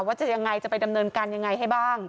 ว่าจะยังไงจะไปดำเนินการยังไงให้บ้าง